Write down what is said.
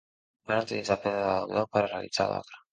Van utilitzar pedra de l'Albiol per a realitzar l'obra.